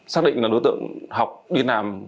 xác định là đối tượng học đi làm